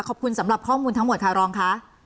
ขอบคุณสำหรับข้อมูลทั้งหมดค่ะรองค่ะ